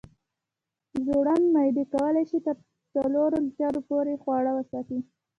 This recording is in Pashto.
زړوند معدې کولی شي تر څلورو لیټرو پورې خواړه وساتي.